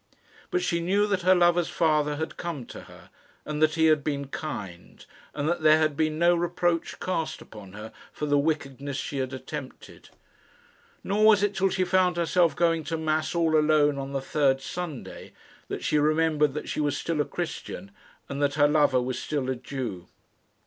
But she knew that her lover's father had come to her, and that he had been kind, and that there had been no reproach cast upon her for the wickedness she had attempted. Nor was it till she found herself going to mass all alone on the third Sunday that she remembered that she was still a Christian, and that her lover was still a Jew.